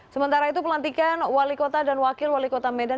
sementara itu pelantikan wali kota dan wakil wali kota medan